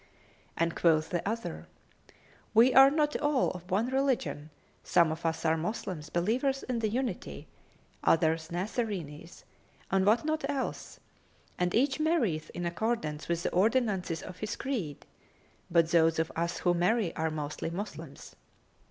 and quoth the other, "We are not all of one religion: some of us are Moslems, believers in The Unity, others Nazarenes and what not else; and each marrieth in accordance with the ordinances of his creed; but those of us who marry are mostly Moslems."